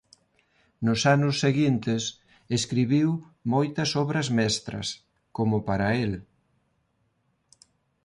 Nos anos seguintes escribiu moitas obras mestras como para el.